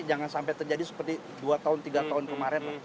jangan sampai terjadi seperti dua tiga tahun kemarin